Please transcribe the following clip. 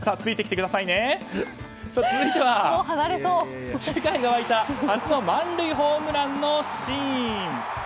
続いては、世界が沸いた初の満塁ホームランのシーン。